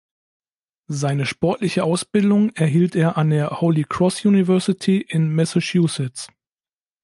Seine sportliche Ausbildung erhielt er an der Holy Cross University in Massachusetts.